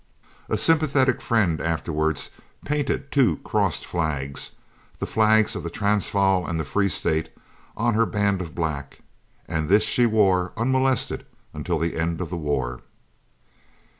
A sympathetic friend afterwards painted two crossed flags, the flags of the Transvaal and the Free State, on her band of black, and this she wore unmolested until the end of the war.